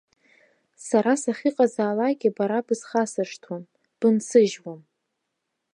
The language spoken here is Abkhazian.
Сара сахьыҟазаалак бара бысхасыршҭуам, бынсыжьуам.